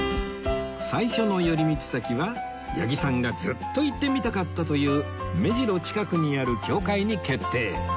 最初の寄り道先は八木さんがずっと行ってみたかったという目白近くにある教会に決定